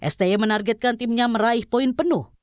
sti menargetkan timnya meraih poin penuh